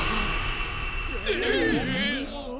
えっ！？